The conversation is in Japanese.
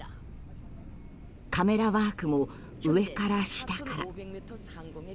カメラワークも上から下から。